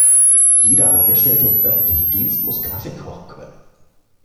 Jeder Angestellte im öffentlichen Dienst muss Kaffee kochen können.